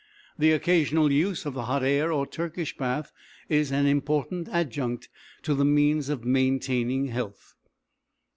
The occasional use of the hot air or Turkish bath is an important adjunct to the means of maintaining health.